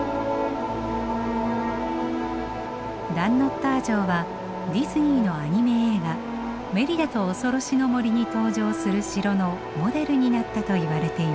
ダンノッター城はディズニーのアニメ映画「メリダとおそろしの森」に登場する城のモデルになったといわれています。